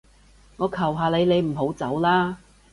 我求下你，你唔好走啦